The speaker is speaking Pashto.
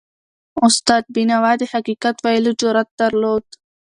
استاد بینوا د حقیقت ویلو جرأت درلود.